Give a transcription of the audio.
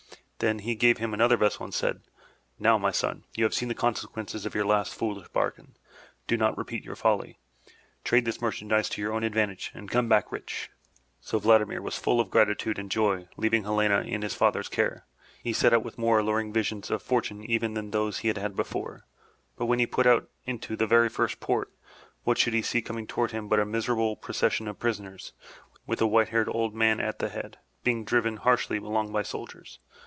Then he gave him another vessel and said: '*Now, my son, you have seen the consequences of your last foolish bargain. Do not repeat your folly. Trade this mer chandise to your own advantage and come back rich! So Vladimir was full of gratitude and joy, and leaving Helena in his father's care, he set out with more alluring visions of fortime even than those he had had before. But when he put into the very first port, what should he see coming toward him but a miserable procession of prisoners, with a white haired old man at the head, being driven harshly along by soldiers.